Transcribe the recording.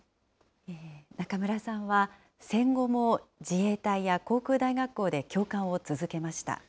中村さんは、戦後も自衛隊や航空大学校で教官を続けました。